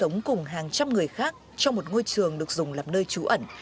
sống cùng hàng trăm người khác trong một ngôi trường được dùng làm nơi trú ẩn